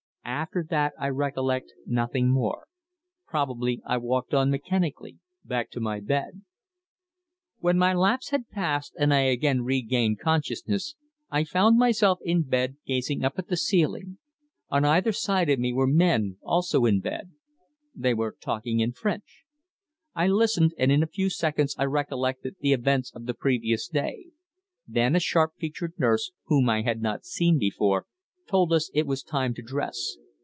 After that I recollect nothing more. Probably I walked on mechanically back to my bed. When my lapse had passed, and I again regained consciousness, I found myself in bed gazing up at the ceiling. On either side of me were men, also in bed. They were talking in French. I listened, and in a few seconds I recollected the events of the previous day. Then a sharp featured nurse, whom I had not seen before, told us it was time to dress.